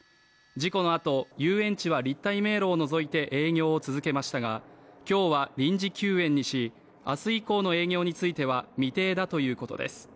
事故のあと遊園地は立体迷路を除いて営業を続けましたが今日は臨時休園にし、明日以降の営業については未定だとのことです。